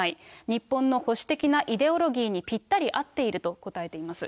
日本の保守的なイデオロギーにぴったり合っていると答えています。